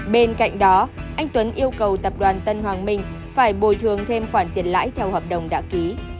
bên cạnh đó anh tuấn yêu cầu tập đoàn tân hoàng minh phải bồi thường thêm khoản tiền lãi theo hợp đồng đã ký